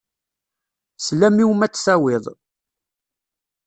Slam-iw ma ad t-tawiḍ.